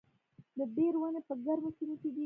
د بیر ونې په ګرمو سیمو کې دي؟